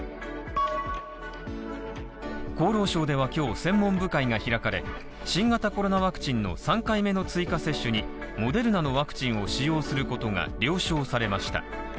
厚労省では今日、専門部会が開かれ、新型コロナワクチンの３回目の追加接種にモデルナのワクチンを使用することが了承されました。